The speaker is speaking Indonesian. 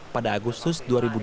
pada agustus dua ribu dua puluh